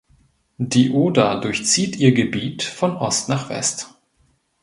Die Oder durchzieht ihr Gebiet von Ost nach West.